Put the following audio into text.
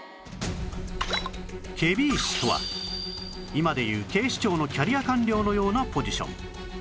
検非違使とは今で言う警視庁のキャリア官僚のようなポジション